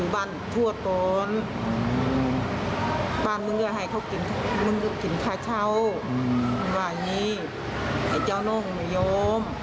ว่าอย่างนี้ไอ้เจ้าน้องหนุโยม